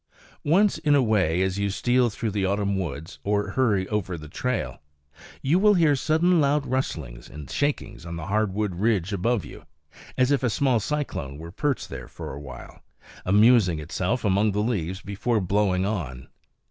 Once in a way, as you steal through the autumn woods or hurry over the trail, you will hear sudden loud rustlings and shakings on the hardwood ridge above you, as if a small cyclone were perched there for a while, amusing itself among the leaves before blowing on.